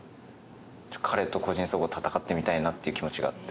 彼と個人総合戦ってみたいって気持ちがあって。